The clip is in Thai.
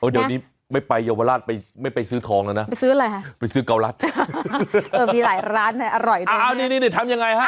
เดี๋ยวนี้ไม่ไปเยาวราชไม่ไปซื้อทองแล้วนะไปซื้ออะไรฮะไปซื้อเกาลัดมีหลายร้านอร่อยด้วย